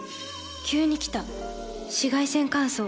急に来た紫外線乾燥。